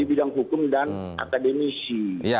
di bidang hukum dan akademisi